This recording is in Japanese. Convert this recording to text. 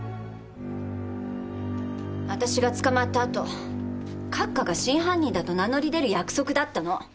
私が捕まったあと閣下が真犯人だと名乗り出る約束だったの！